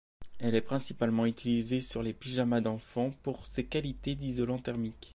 Elle est principalement utilisée sur les pyjamas enfant pour ses qualités d’isolant thermique.